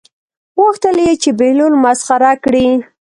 غوښتل یې چې بهلول مسخره کړي.